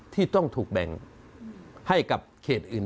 ที่ต้องถูกแบ่งให้กับเขตอื่น